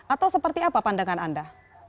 atau seperti apa pandangan anda